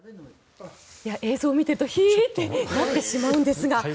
映像を見てるとヒエーッとなってしまうんですが